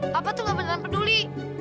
papa tuh gak beneran peduli